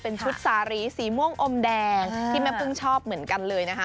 เป็นชุดสารีสีม่วงอมแดงที่แม่พึ่งชอบเหมือนกันเลยนะคะ